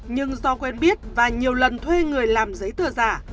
nhưng do quen biết và nhiều lần thuê người làm giấy tờ giả